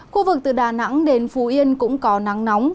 khu vực từ đà nẵng đến phú yên cũng có nắng nóng